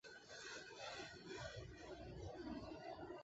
定县华溪蟹为溪蟹科华溪蟹属的动物。